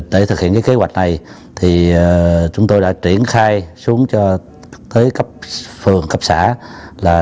để thực hiện kế hoạch này chúng tôi đã triển khai xuống cho phường cấp xã